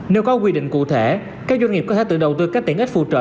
nếu có quy định cụ thể các doanh nghiệp có thể tự đầu tư các tiện ích phù trợ